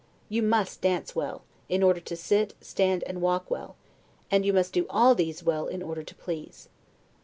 You must dance well, in order to sit, stand, and walk well; and you must do all these well in order to please.